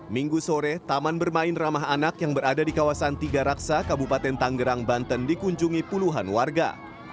minggu sore taman bermain ramah anak yang berada di kawasan tiga raksa kabupaten tanggerang banten dikunjungi puluhan warga